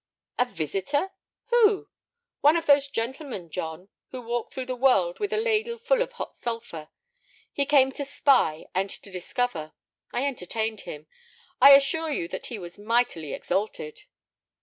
"A visitor? Who?" "One of those gentlemen, John, who walk through the world with a ladle full of hot sulphur. He came to spy and to discover. I entertained him. I assure you that he was mightily exalted."